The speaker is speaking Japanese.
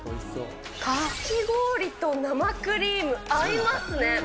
かき氷と生クリーム、合いますね。